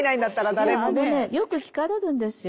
あのねよく聞かれるんですよ。